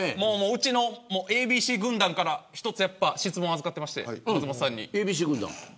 うちのＡＢＣ軍団から一つ質問預かっていまして、松本さんに。